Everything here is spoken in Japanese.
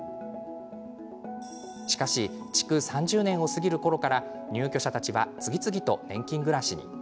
しかし築３０年を過ぎるころから入居者たちは次々と年金暮らしに。